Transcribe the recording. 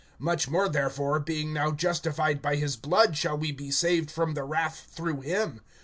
(9)Much more therefore, being now justified by his blood, shall we be saved from the wrath through him.